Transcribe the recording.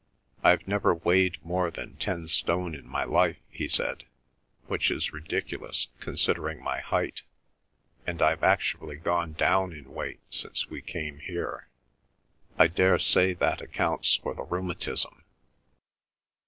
"I've never weighed more than ten stone in my life," he said, "which is ridiculous, considering my height, and I've actually gone down in weight since we came here. I daresay that accounts for the rheumatism."